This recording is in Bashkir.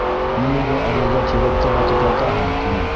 Нимәгә ауылда тиҙәккә батып ятаһың, тинем.